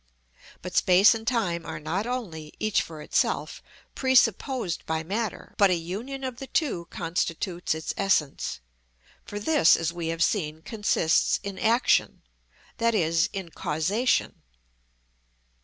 But space and time are not only, each for itself, presupposed by matter, but a union of the two constitutes its essence, for this, as we have seen, consists in action, i.e., in causation.